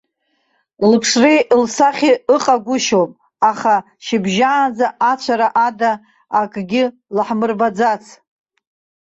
Лыԥшреи лсахьеи ыҟагәышьоуп, аха шьыбжьаанӡа ацәара ада акгьы лаҳмырбаӡац.